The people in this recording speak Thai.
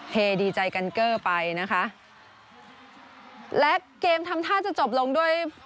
ดีใจกันเกอร์ไปนะคะและเกมทำท่าจะจบลงด้วย